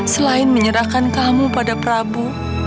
selain menyerahkan kamu pada prabu